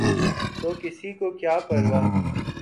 تو کسی کو کیا پروا؟